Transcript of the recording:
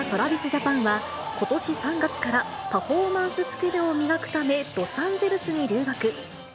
ジャパンは、ことし３月からパフォーマンススキルを磨くため、ロサンゼルスに留学。